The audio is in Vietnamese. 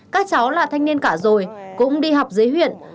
các cháu là thanh niên cả rồi cũng đi học dưới huyện